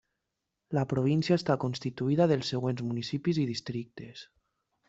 La província està constituïda dels següents Municipis i Districtes.